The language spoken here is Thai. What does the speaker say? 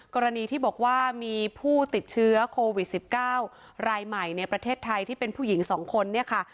กรณีที่บอกว่ามีผู้ติดเชื้อโควิด๑๙รายใหม่ในประเทศไทยที่เป็นผู้หญิง๒คนเนี่ยค่ะ